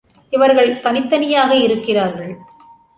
இவர்கள் தனித்தனியாக இருக்கிறார்கள்.